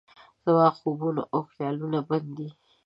زما خوبونه او خیالونه بند دي